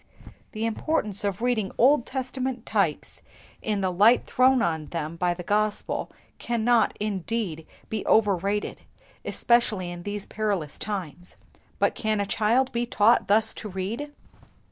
The importance of reading Old Testament types in the light thrown on them by the Gospel cannot, indeed, be overrated, especially in these perilous times; but can a child be taught thus to read them?"